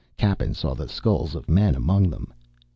Cappen saw the skulls of men among them.